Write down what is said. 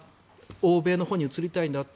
欧米のほうに移りたいんだ。